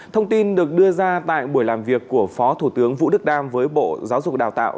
thông tin được đưa ra tại buổi làm việc của phó thủ tướng vũ đức đam với bộ giáo dục đào tạo